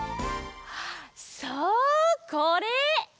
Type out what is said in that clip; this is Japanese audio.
そうこれ！